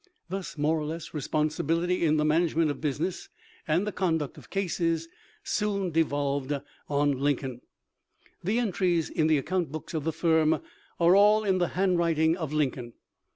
Thus more or less responsibility in the 1 84 TUB LTFR OP LINCOLN. management of business and the conduct of cases soon devolved on Lincoln. The entries in the ac count books of the firm are all in the handwrit ing of Lincoln.